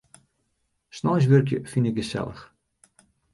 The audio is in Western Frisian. Sneins wurkje fyn ik gesellich.